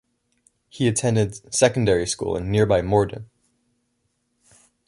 He attended secondary school in nearby Morden.